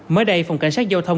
mới đây phòng cảnh sát giao thông